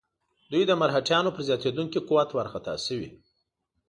دوی د مرهټیانو پر زیاتېدونکي قوت وارخطا شوي.